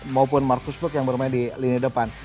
maupun markus bek yang bermain di lini depan